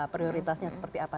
prioritasnya seperti apa